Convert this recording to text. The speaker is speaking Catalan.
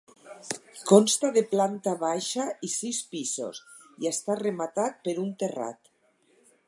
Consta de planta baixa i sis pisos i està rematat per un terrat.